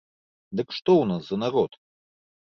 Дык што ў нас за народ?